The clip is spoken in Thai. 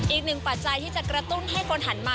อีกหนึ่งปัจจัยที่จะกระตุ้นให้คนหันมา